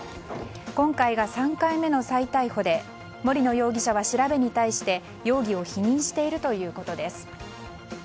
今回が３回目の再逮捕で森野容疑者は調べに対して容疑を否認しているということです。